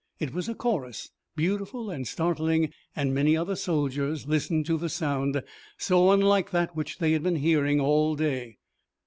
It was a chorus, beautiful and startling, and many other soldiers listened to the sound, so unlike that which they had been hearing all day.